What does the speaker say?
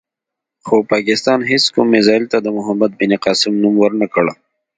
خو پاکستان هېڅ کوم میزایل ته د محمد بن قاسم نوم ور نه کړ.